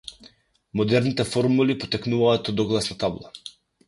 Модерните форуми потекнуваат од огласна табла.